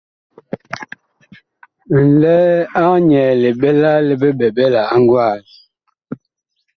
Nlɛɛ ag nyɛɛ liɓɛla li biɓɛɓɛla a gwaag.